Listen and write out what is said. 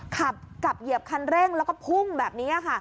ขับกลับเหยียบคันเร่งแล้วก็พุ่งแบบนี้ค่ะ